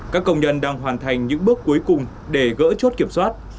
các công nhân đang hoàn thành những bước cuối cùng để gỡ chốt kiểm soát